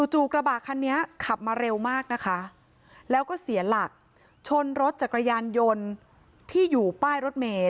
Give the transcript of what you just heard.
จู่กระบะคันนี้ขับมาเร็วมากนะคะแล้วก็เสียหลักชนรถจักรยานยนต์ที่อยู่ป้ายรถเมย์